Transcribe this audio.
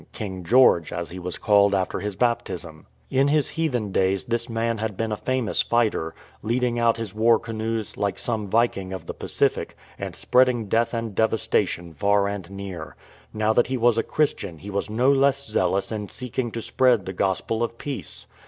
King George, as he was called after his baptism. In 313 JAMES CALVERT his heathen days this man had been a famous fighter, leading out his war canoes, like some Viking of the Pacific, and spreading death and devastation far and near. Now that he was a Christian he was no less zealous in seeking to spread the Gospel of peace.